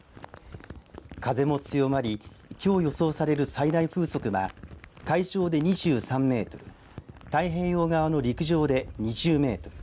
風も強まりきょう予想される最大風速は海上で２３メートル太平洋側の陸上で２０メートル